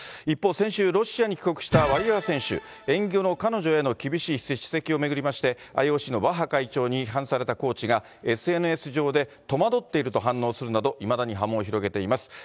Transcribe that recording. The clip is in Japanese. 一方、先週ロシアに帰国したワリエワ選手、演技後の彼女への厳しい叱責を巡りまして、ＩＯＣのバッハ会長に批判されたコーチがＳＮＳ上で戸惑っていると反応するなど、いまだに波紋を広げています。